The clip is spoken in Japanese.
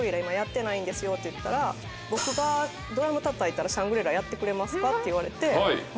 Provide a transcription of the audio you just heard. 今やってないんですよって言ったら「僕がドラム叩いたら『シャングリラ』やってくれますか？」って言われて。